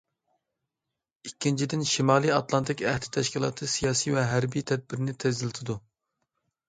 ئىككىنچىدىن، شىمالىي ئاتلانتىك ئەھدى تەشكىلاتى سىياسىي ۋە ھەربىي تەدبىرىنى تېزلىتىدۇ.